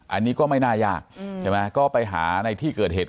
อันนี้ก็ไม่น่ายากใช่ไหมก็ไปหาในที่เกิดเหตุ